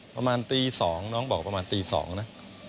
ประมาณตี๒น้องบอกประมาณตี๒นะ